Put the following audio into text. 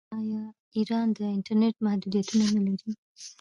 آیا ایران د انټرنیټ محدودیتونه نلري؟